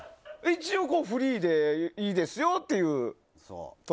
一応フリーで、いいですよっていう。